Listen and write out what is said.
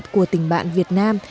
của tỉnh bạn việt nam